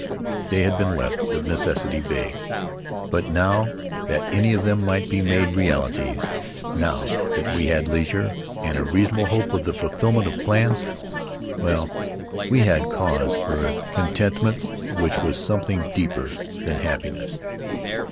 They had been left, of necessity, vague; but now that any of them might be made realities, now that we had leisure and a A Leisurely Approach reasonable hope for the fulfillment of plans — well, we had cause for a contentment which was something deeper than happiness.